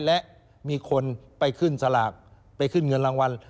และมีคนไปขึ้นสลากไปขึ้นเงินรางวัล